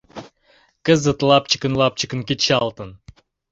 Кызыт лапчыкын-лапчыкын кечалтын.